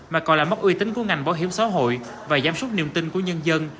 mà còn là mất uy tín của ngành bảo hiểm xã hội và giám súc niềm tin của nhân dân